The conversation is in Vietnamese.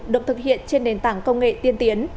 được thực hiện trên nền tảng công nghệ tiên tiến